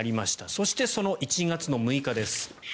そして、その１月６日です。